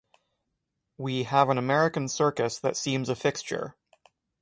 We have an American circus that seems a fixture.